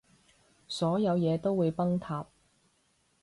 所有嘢都會崩塌